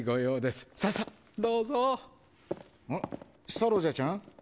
サロジャちゃん？